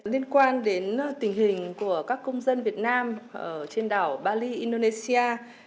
liên quan đến tình hình của các công dân việt nam trên đảo bali indonesia